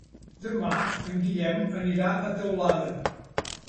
Demà en Guillem anirà a Teulada.